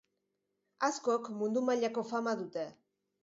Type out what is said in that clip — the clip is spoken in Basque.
Askok mundu mailako fama dute.